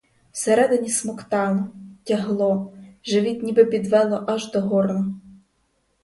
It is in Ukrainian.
Всередині смоктало, тягло, живіт ніби підвело аж до горла.